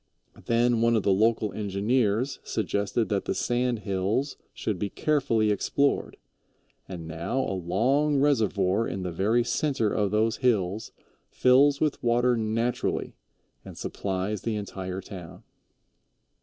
Then one of the local engineers suggested that the sand hills should be carefully explored, and now a long reservoir in the very center of those hills fills with water naturally and supplies the entire town.